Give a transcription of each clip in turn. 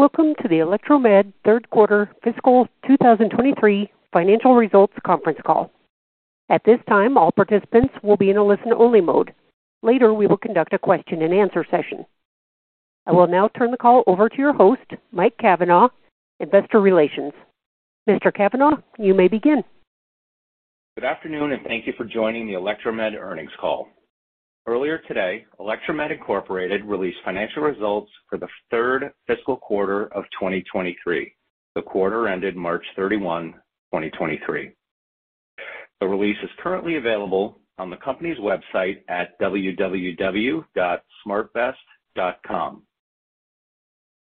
Welcome to the Electromed Third Quarter Fiscal 2023 Financial Results Conference Call. At this time, all participants will be in a listen-only mode. Later, we will conduct a question-and-answer session. I will now turn the call over to your host, Mike Cavanaugh, Investor Relations. Mr. Cavanaugh, you may begin. Good afternoon, and thank you for joining the Electromed Earnings Call. Earlier today, Electromed, Inc. released financial results for the third Fiscal Quarter of 2023. The quarter ended March 31, 2023. The release is currently available on the company's website at www.smartvest.com.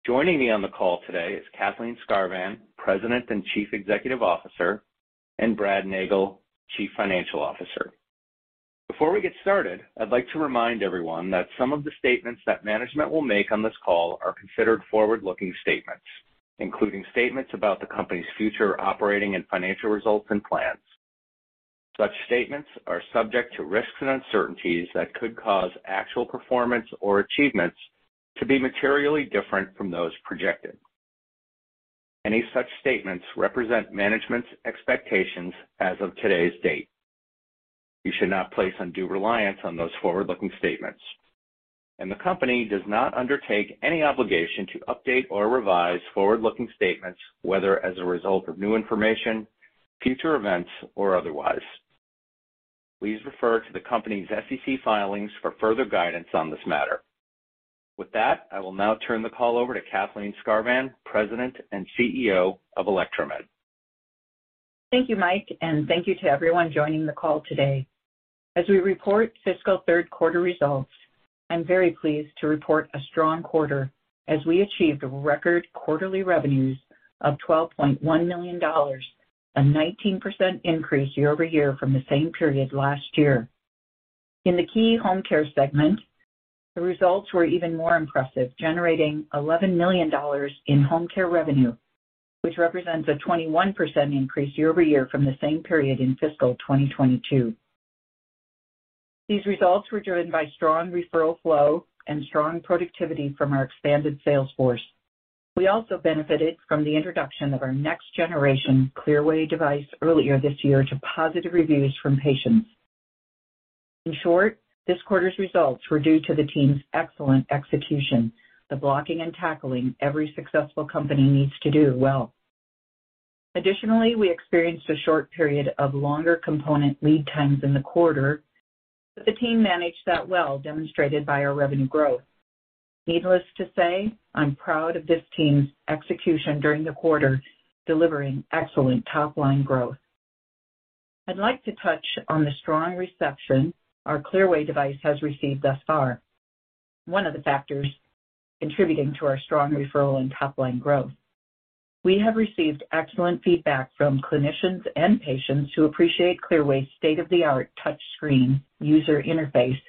Joining me on the call today is Kathleen Skarvan, President and Chief Executive Officer, and Brad Nagel, Chief Financial Officer. Before we get started, I'd like to remind everyone that some of the statements that management will make on this call are considered forward-looking statements, including statements about the company's future operating and financial results and plans. Such statements are subject to risks and uncertainties that could cause actual performance or achievements to be materially different from those projected. Any such statements represent management's expectations as of today's date. You should not place undue reliance on those forward-looking statements, and the company does not undertake any obligation to update or revise forward-looking statements, whether as a result of new information, future events, or otherwise. Please refer to the company's SEC filings for further guidance on this matter. With that, I will now turn the call over to Kathleen Skarvan, President and CEO of Electromed. Thank you, Mike Cavanaugh, thank you to everyone joining the call today. As we report Fiscal Third Quarter Results, I'm very pleased to report a strong quarter as we achieved record quarterly revenues of $12.1 million, a 19% increase year-over-year from the same period last year. In the key home care segment, the results were even more impressive, generating $11 million in home care revenue, which represents a 21% increase year-over-year from the same period in fiscal 2022. These results were driven by strong referral flow and strong productivity from our expanded sales force. We also benefited from the introduction of our next generation Clearway device earlier this year to positive reviews from patients. In short, this quarter's results were due to the team's excellent execution, the blocking and tackling every successful company needs to do well. Additionally, we experienced a short period of longer component lead times in the quarter, but the team managed that well, demonstrated by our revenue growth. Needless to say, I'm proud of this team's execution during the quarter, delivering excellent top-line growth. I'd like to touch on the strong reception our Clearway device has received thus far, one of the factors contributing to our strong referral and top-line growth. We have received excellent feedback from clinicians and patients who appreciate Clearway's state-of-the-art touchscreen user interface,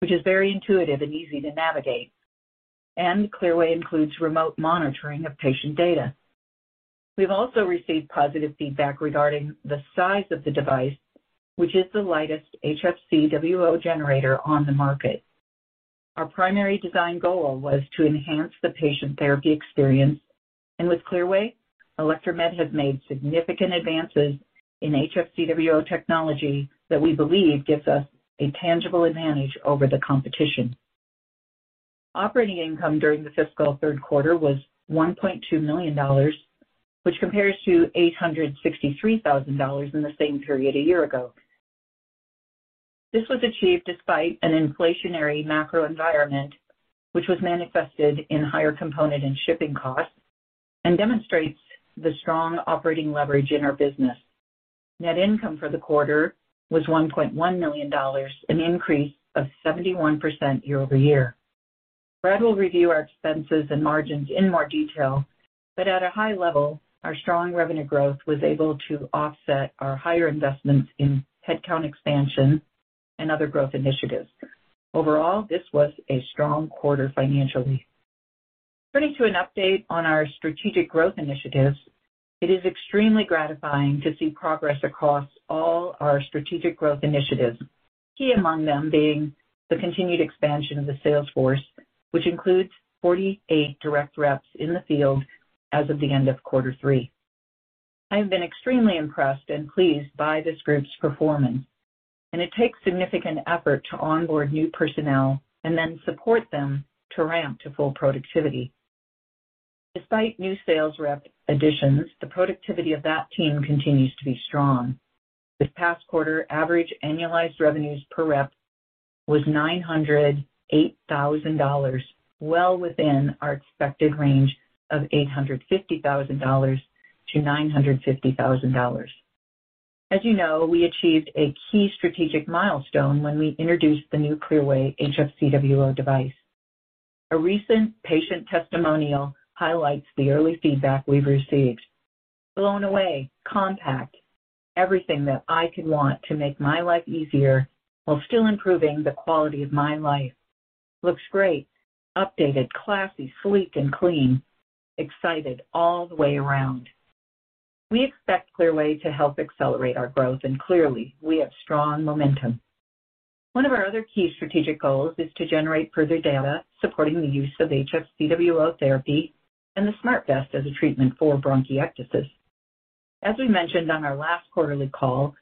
which is very intuitive and easy to navigate, and Clearway includes remote monitoring of patient data. We've also received positive feedback regarding the size of the device, which is the lightest HFCWO generator on the market. Our primary design goal was to enhance the patient therapy experience, and with Clearway, Electromed has made significant advances in HFCWO technology that we believe gives us a tangible advantage over the competition. Operating income during the fiscal third quarter was $1.2 million, which compares to $863,000 in the same period a year ago. This was achieved despite an inflationary macro environment, which was manifested in higher component and shipping costs and demonstrates the strong operating leverage in our business. Net income for the quarter was $1.1 million, an increase of 71% year-over-year. Brad will review our expenses and margins in more detail, but at a high level, our strong revenue growth was able to offset our higher investments in headcount expansion and other growth initiatives. Overall, this was a strong quarter financially. Turning to an update on our strategic growth initiatives, it is extremely gratifying to see progress across all our strategic growth initiatives. Key among them being the continued expansion of the sales force, which includes 48 direct reps in the field as of the end of quarter three. I have been extremely impressed and pleased by this group's performance, and it takes significant effort to onboard new personnel and then support them to ramp to full productivity. Despite new sales rep additions, the productivity of that team continues to be strong. This past quarter, average annualized revenues per rep was $908,000, well within our expected range of $850,000-$950,000. As you know, we achieved a key strategic milestone when we introduced the new Clearway HFCWO device. A recent patient testimonial highlights the early feedback we've received. Blown away. Compact. Everything that I could want to make my life easier while still improving the quality of my life. Looks great. Updated, classy, sleek and clean. Excited all the way around. We expect Clearway to help accelerate our growth, and clearly we have strong momentum. One of our other key strategic goals is to generate further data supporting the use of HFCWO therapy and the SmartVest as a treatment for bronchiectasis. As we mentioned on our last quarterly call,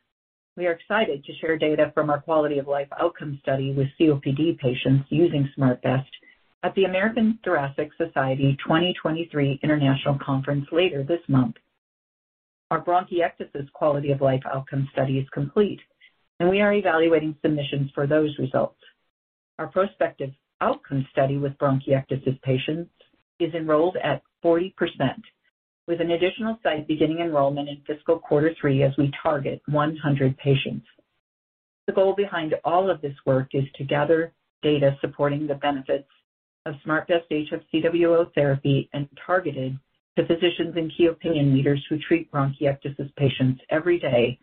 we are excited to share data from our quality of life outcome study with COPD patients using SmartVest at the American Thoracic Society 2023 International Conference later this month. Our bronchiectasis quality of life outcome study is complete, and we are evaluating submissions for those results. Our prospective outcome study with bronchiectasis patients is enrolled at 40%, with an additional site beginning enrollment in fiscal quarter three as we target 100 patients. The goal behind all of this work is to gather data supporting the benefits of SmartVest HFCWO therapy and targeted to physicians and key opinion leaders who treat bronchiectasis patients every day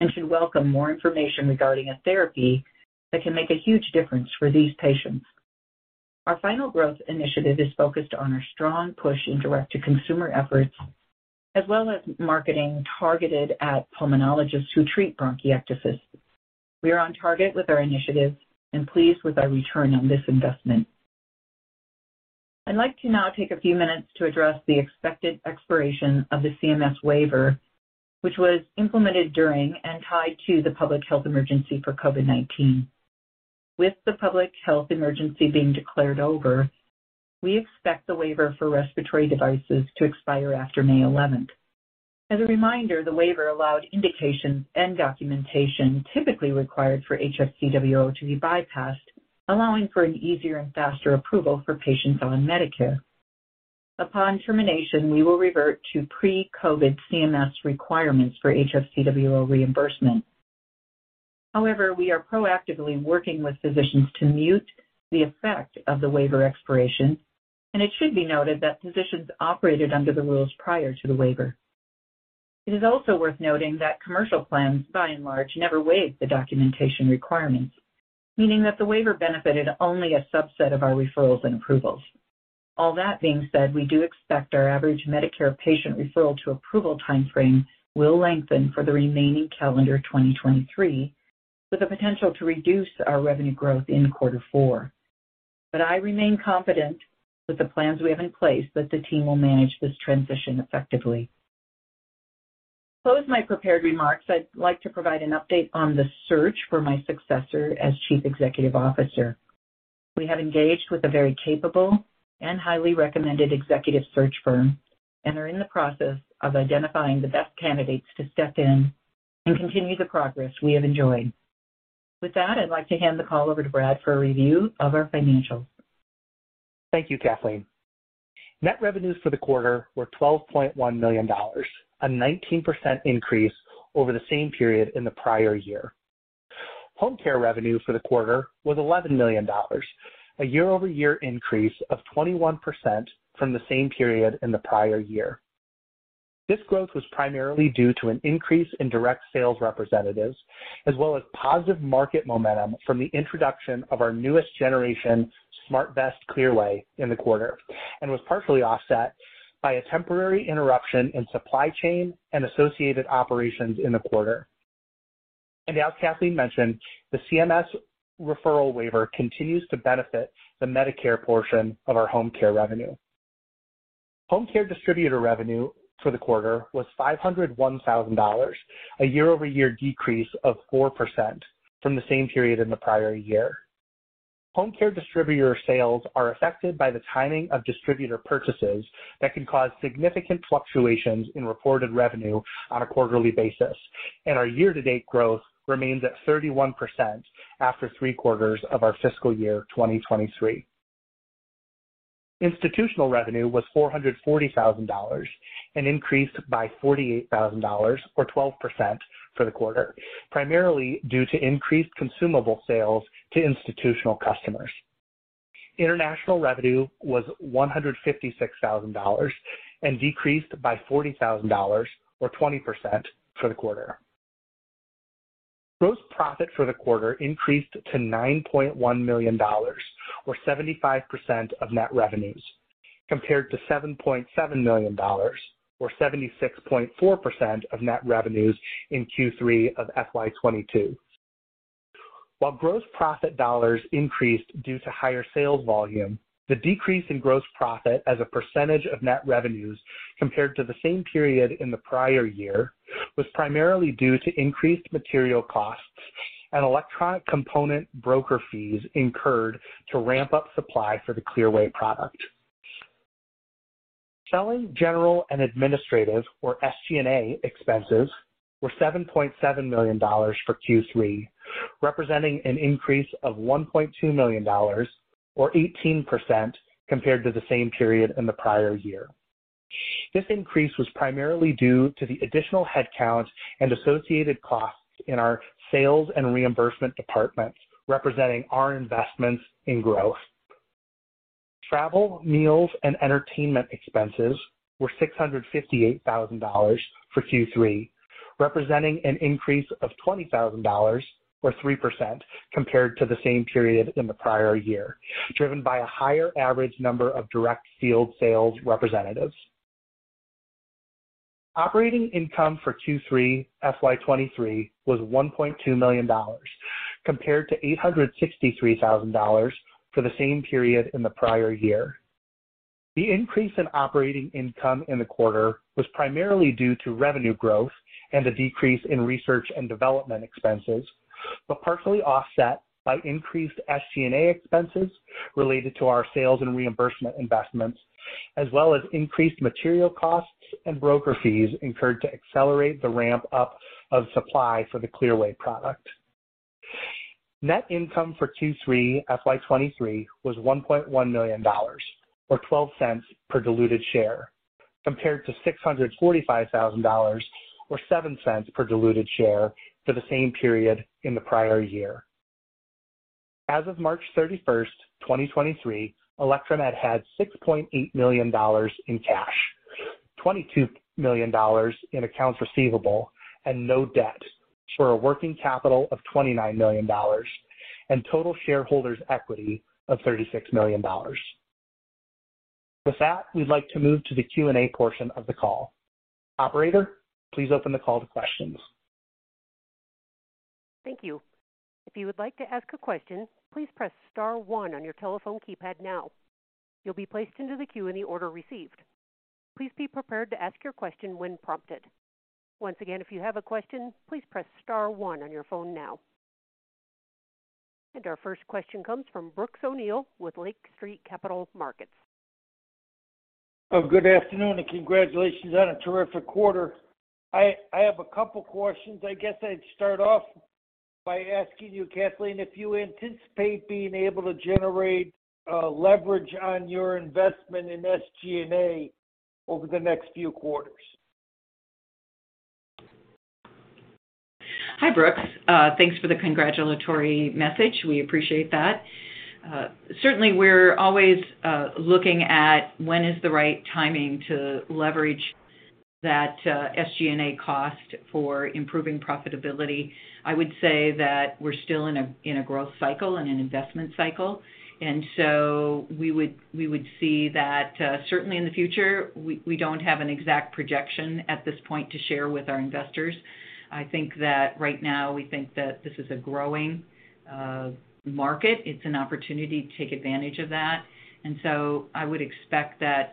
and should welcome more information regarding a therapy that can make a huge difference for these patients. Our final growth initiative is focused on our strong push in direct-to-consumer efforts, as well as marketing targeted at pulmonologists who treat bronchiectasis. We are on target with our initiatives and pleased with our return on this investment. I'd like to now take a few minutes to address the expected expiration of the CMS waiver, which was implemented during and tied to the public health emergency for COVID-19. With the public health emergency being declared over, we expect the waiver for respiratory devices to expire after May 11th. As a reminder, the waiver allowed indications and documentation typically required for HFCWO to be bypassed, allowing for an easier and faster approval for patients on Medicare. Upon termination, we will revert to pre-COVID CMS requirements for HFCWO reimbursement. We are proactively working with physicians to mute the effect of the waiver expiration, and it should be noted that physicians operated under the rules prior to the waiver. It is also worth noting that commercial plans, by and large, never waived the documentation requirements, meaning that the waiver benefited only a subset of our referrals and approvals. All that being said, we do expect our average Medicare patient referral-to-approval timeframe will lengthen for the remaining calendar 2023, with the potential to reduce our revenue growth in quarter four. I remain confident with the plans we have in place that the team will manage this transition effectively. To close my prepared remarks, I'd like to provide an update on the search for my successor as Chief Executive Officer. We have engaged with a very capable and highly recommended executive search firm and are in the process of identifying the best candidates to step in and continue the progress we have enjoyed. With that, I'd like to hand the call over to Brad for a review of our financials. Thank you, Kathleen. Net revenues for the quarter were $12.1 million, a 19% increase over the same period in the prior year. Home care revenue for the quarter was $11 million, a year-over-year increase of 21% from the same period in the prior year. This growth was primarily due to an increase in direct sales representatives, as well as positive market momentum from the introduction of our newest generation, SmartVest Clearway, in the quarter, was partially offset by a temporary interruption in supply chain and associated operations in the quarter. As Kathleen mentioned, the CMS referral waiver continues to benefit the Medicare portion of our home care revenue. Home care distributor revenue for the quarter was $501,000, a year-over-year decrease of 4% from the same period in the prior year. Home care distributor sales are affected by the timing of distributor purchases that can cause significant fluctuations in reported revenue on a quarterly basis. Our year-to-date growth remains at 31% after 3 quarters of our fiscal year 2023. Institutional revenue was $440,000, an increase by $48,000 or 12% for the quarter, primarily due to increased consumable sales to institutional customers. International revenue was $156,000 and decreased by $40,000 or 20% for the quarter. Gross profit for the quarter increased to $9.1 million or 75% of net revenues, compared to $7.7 million or 76.4% of net revenues in Q3 of FY 2022. While gross profit dollars increased due to higher sales volume, the decrease in gross profit as a percentage of net revenues compared to the same period in the prior year was primarily due to increased material costs and electronic component broker fees incurred to ramp up supply for the Clearway product. Selling, general, and administrative, or SG&A, expenses were $7.7 million for Q3, representing an increase of $1.2 million or 18% compared to the same period in the prior year. This increase was primarily due to the additional headcount and associated costs in our sales and reimbursement departments, representing our investments in growth. Travel, meals, and entertainment expenses were $658,000 for Q3, representing an increase of $20,000 or 3% compared to the same period in the prior year, driven by a higher average number of direct field sales representatives. Operating income for 23 FY 2023 was $1.2 million compared to $863,000 for the same period in the prior year. The increase in operating income in the quarter was primarily due to revenue growth and a decrease in research and development expenses, but partially offset by increased SG&A expenses related to our sales and reimbursement investments, as well as increased material costs and broker fees incurred to accelerate the ramp-up of supply for the Clearway product. Net income for FY 2023 was $1.1 million, or $0.12 per diluted share, compared to $645,000, or $0.07 per diluted share, for the same period in the prior year. As of March 31st, 2023, Electromed had $6.8 million in cash, $22 million in accounts receivable and no debt for a working capital of $29 million and total shareholders equity of $36 million. With that, we'd like to move to the Q&A portion of the call. Operator, please open the call to questions. Thank you. If you would like to ask a question, please press star one on your telephone keypad now. You'll be placed into the queue in the order received. Please be prepared to ask your question when prompted. Once again, if you have a question, please press star one on your phone now. Our first question comes from Brooks O'Neil with Lake Street Capital Markets. Oh, good afternoon and congratulations on a terrific quarter. I have 2 questions. I guess I'd start off by asking you, Kathleen Skarvan, if you anticipate being able to generate leverage on your investment in SG&A over the next few quarters. Hi, Brooks. Thanks for the congratulatory message. We appreciate that. Certainly, we're always looking at when is the right timing to leverage that SG&A cost for improving profitability. I would say that we're still in a growth cycle and an investment cycle, and so we would see that certainly in the future. We don't have an exact projection at this point to share with our investors. I think that right now we think that this is a growing market. It's an opportunity to take advantage of that. I would expect that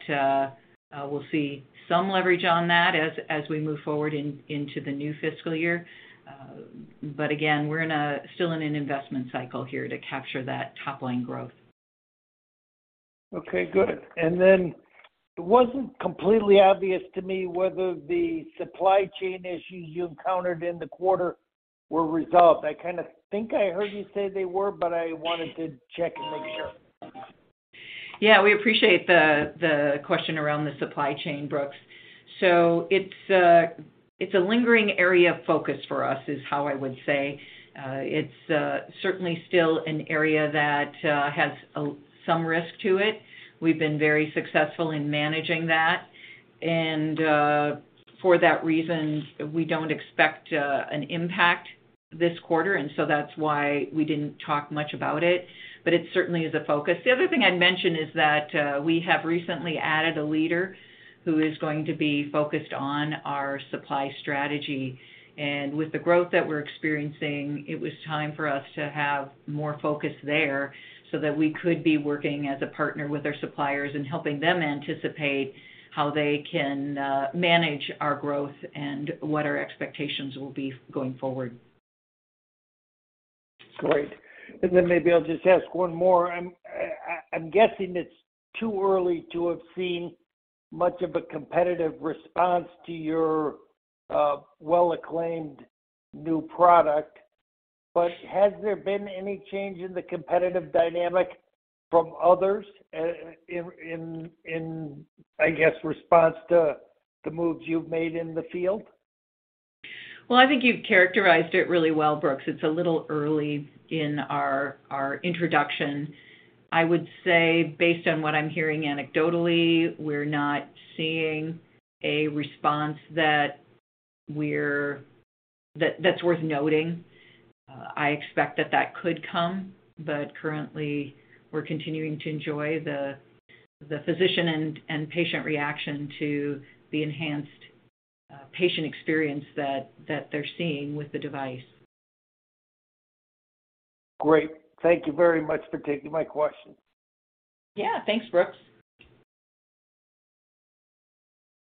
we'll see some leverage on that as we move forward into the new fiscal year. Again, we're still in an investment cycle here to capture that top-line growth. Okay, good. It wasn't completely obvious to me whether the supply chain issues you encountered in the quarter were resolved. I kinda think I heard you say they were, but I wanted to check and make sure. Yeah, we appreciate the question around the supply chain, Brooks. It's a lingering area of focus for us, is how I would say. It's certainly still an area that has some risk to it. We've been very successful in managing that, and for that reason, we don't expect an impact this quarter, and so that's why we didn't talk much about it, but it certainly is a focus. The other thing I'd mention is that we have recently added a leader who is going to be focused on our supply strategy. With the growth that we're experiencing, it was time for us to have more focus there so that we could be working as a partner with our suppliers and helping them anticipate how they can manage our growth and what our expectations will be going forward. Great. Maybe I'll just ask one more. I'm guessing it's too early to have seen much of a competitive response to your well-acclaimed new product, but has there been any change in the competitive dynamic from others in, I guess, response to the moves you've made in the field? Well, I think you've characterized it really well, Brooks. It's a little early in our introduction. I would say, based on what I'm hearing anecdotally, we're not seeing a response that's worth noting. I expect that could come, but currently we're continuing to enjoy the physician and patient reaction to the enhanced patient experience that they're seeing with the device. Great. Thank you very much for taking my question. Yeah. Thanks, Brooks.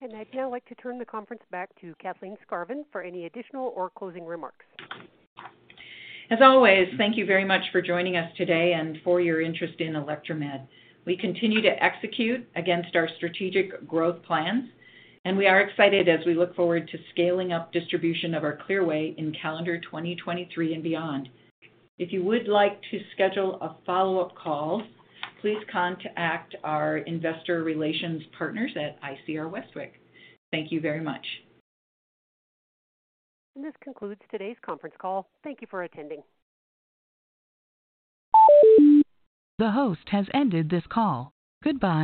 I'd now like to turn the conference back to Kathleen Skarvan for any additional or closing remarks. Always, thank you very much for joining us today and for your interest in Electromed. We continue to execute against our strategic growth plans, we are excited as we look forward to scaling up distribution of our Clearway in calendar 2023 and beyond. If you would like to schedule a follow-up call, please contact our investor relations partners at ICR Westwicke. Thank you very much. This concludes today's conference call. Thank you for attending. The host has ended this call. Goodbye.